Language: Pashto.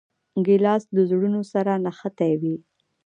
ګیلاس له زړونو سره نښتي وي.